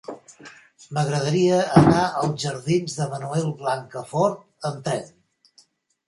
M'agradaria anar als jardins de Manuel Blancafort amb tren.